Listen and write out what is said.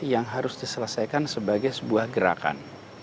yang harus diselesaikan sebagai sebuah gerakan